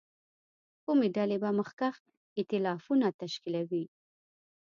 کومې ډلې به مخکښ اېتلافونه تشکیلوي.